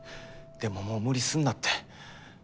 でももう無理すんなって。